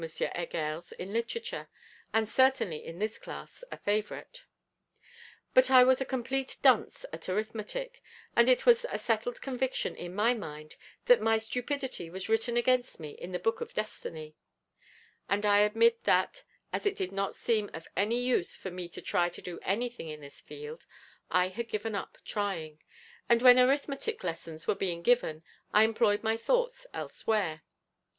Heger's in literature, and certainly in this class, a favourite. But I was a complete dunce at arithmetic, and it was a settled conviction in my mind that my stupidity was written against me in the book of destiny; and I admit that, as it did not seem of any use for me to try to do anything in this field, I had given up trying, and when arithmetic lessons were being given I employed my thoughts elsewhere.